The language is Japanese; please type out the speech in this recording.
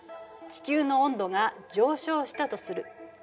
地球の温度が上昇したとする。